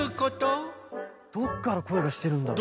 どっからこえがしてるんだろう？